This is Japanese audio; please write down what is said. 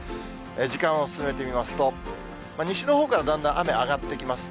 時間を進めてみますと、西のほうからだんだん雨上がってきます。